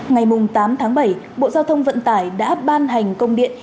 ngày tám tháng bảy bộ giao thông vận tải đã ban hành công điện